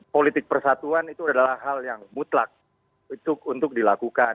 politik persatuan itu adalah hal yang mutlak untuk dilakukan